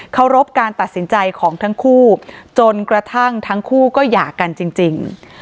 เขารบการตัดสินใจของทั้งคู่จนกระทั่งทั้งคู่ก็หย่ากันจริง